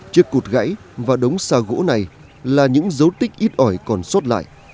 chiếc cụt gãy và đống xà gỗ này là những dấu tích ít ỏi còn sót lại